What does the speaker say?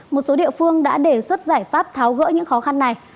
một số địa phương đã đề xuất giải pháp tháo gỡ những khó khăn này